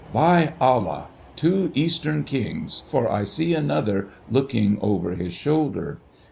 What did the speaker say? By Allah ! two Eastern Kings, for I see another, looking over his shoulder